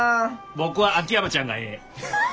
僕は秋山ちゃんがええ！